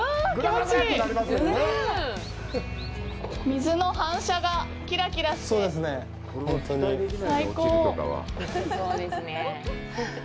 水の反射がキラキラして。